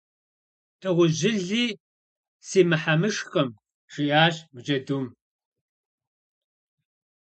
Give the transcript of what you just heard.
- Дыгъужьыли си мыхьэмышхкъым, - жиӏащ джэдум.